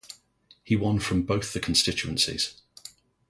He won from both the constituencies.